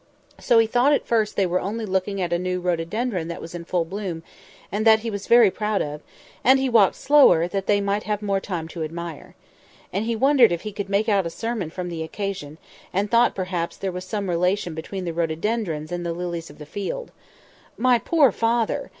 So he thought, at first, they were only looking at a new rhododendron that was in full bloom, and that he was very proud of; and he walked slower, that they might have more time to admire. And he wondered if he could make out a sermon from the occasion, and thought, perhaps, there was some relation between the rhododendrons and the lilies of the field. My poor father!